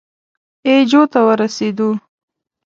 اي جو ته ورسېدو.